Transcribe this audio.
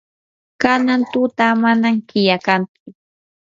kanan tuta manam killa kantsu.